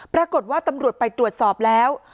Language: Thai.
ปรากฏว่าตำรวจไปตรวจสอบแล้ว